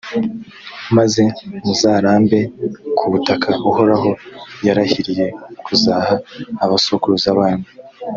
maze muzarambe ku butaka uhoraho yarahiriye kuzaha abasokuruza banyu